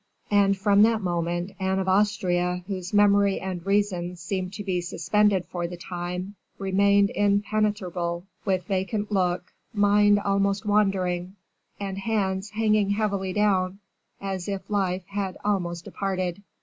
And, from that moment, Anne of Austria, whose memory and reason seemed to be suspended for the time, remained impenetrable, with vacant look, mind almost wandering, and hands hanging heavily down, as if life had almost departed.